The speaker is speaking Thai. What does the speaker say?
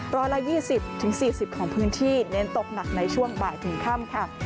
ร้อยละยี่สิบถึงสี่สิบของพื้นที่เน้นตกหนักในช่วงบ่ายถึงค่ำค่ะ